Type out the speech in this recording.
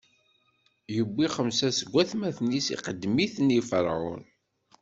iwwi xemsa seg watmaten-is, iqeddem-iten i Ferɛun.